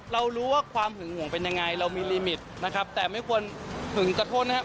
เรารู้ว่าความหึงห่วงเป็นยังไงเรามีลิมิตนะครับแต่ไม่ควรหึงจะโทษนะครับ